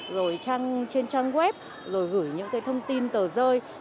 rồi trên trang web rồi gửi những cái thông tin tờ rơi